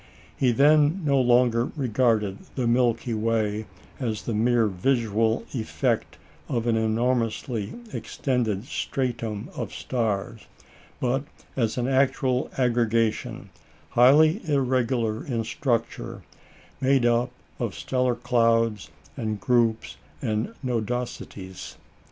He then no longer regarded the Milky Way as the mere visual effect of an enormously extended stratum of stars, but as an actual aggregation, highly irregular in structure, made up of stellar clouds and groups and nodosities.